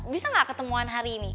bisa nggak ketemuan hari ini